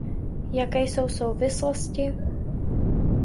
Jaké jsou souvislosti?